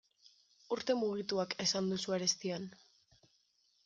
Urte mugituak esan duzu arestian.